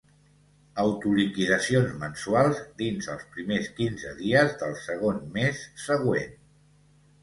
Autoliquidacions mensuals, dins els primers quinze dies del segon mes següent.